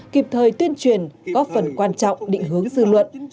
kịp thời tuyên truyền góp phần quan trọng định hướng dư luận